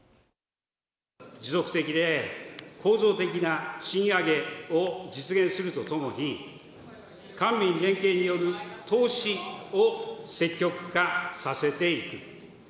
持続的で構造的な賃上げを実現するとともに、官民連携による投資を積極化させていく。